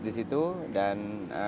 di situ dan